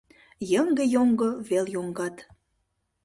Йыҥге-йоҥго вел йоҥгат;